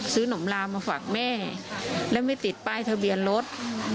หนมลามาฝากแม่และไม่ติดป้ายทะเบียนรถ